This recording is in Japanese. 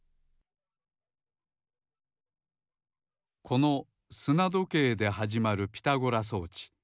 このすなどけいではじまるピタゴラ装置